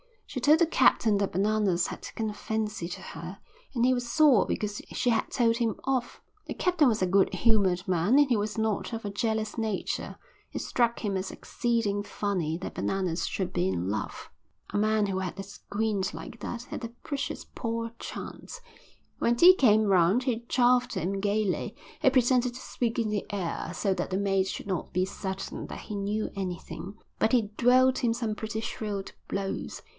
She told the captain that Bananas had taken a fancy to her and he was sore because she had told him off. The captain was a good humoured man and he was not of a jealous nature; it struck him as exceeding funny that Bananas should be in love. A man who had a squint like that had a precious poor chance. When tea came round he chaffed him gaily. He pretended to speak in the air, so that the mate should not be certain that he knew anything, but he dealt him some pretty shrewd blows.